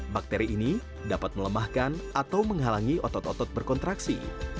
bakteri ini dapat melemahkan atau menghalangi otot otot berkontraksi